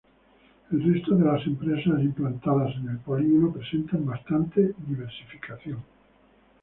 El resto de empresas implantadas en el polígono presentan bastante diversificación.